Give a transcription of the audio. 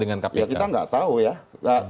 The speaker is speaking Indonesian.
ya kita nggak tahu ya